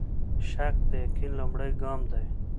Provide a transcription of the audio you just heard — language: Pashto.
شک د يقين لومړی ګام دی.